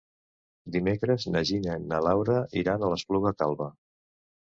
Dimecres na Gina i na Laura iran a l'Espluga Calba.